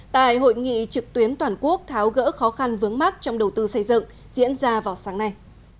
tại hội nghị trực tuyến toàn quốc tháo gỡ khó khăn vướng mắt trong đầu tư xây dựng diễn ra vào sáng nay